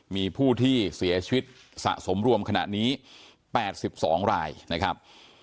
มีผู้ที่เสียชีวิตสะสมรวมขณะนี้๘๒รายนะครับ